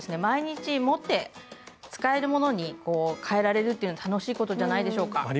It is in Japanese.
毎日持って使えるものに変えられるっていうの楽しいことじゃないでしょうか。